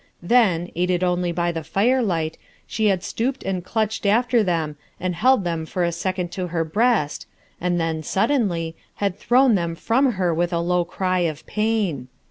Then, aided only by the firelight, she had stooped and clutched after them and held them for a second to her breast and then, suddenly, had thrown them from her with a low cry of pain.